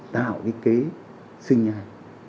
tạo kế sinh nhai